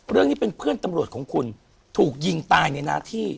เรื่องนี้เป็นเพื่อนตำรวจของคุณถูกยิงตายในหน้าที่